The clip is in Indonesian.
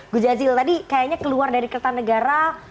gujazil tadi kayaknya keluar dari ketua negara